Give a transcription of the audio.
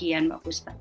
demikian mbak puspa